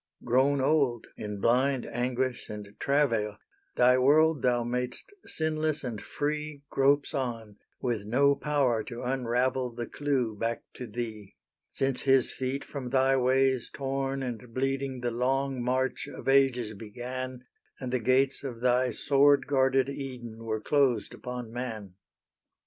Grown old in blind anguish and travail, Thy world thou mad'st sinless and free Gropes on, with no power to unravel The clue back to Thee: Since his feet from Thy ways torn and bleeding The long march of ages began, And the gates of Thy sword guarded Eden Were closed upon man.